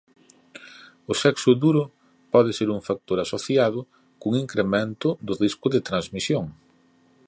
O sexo duro pode ser un factor asociado cun incremento do risco de transmisión.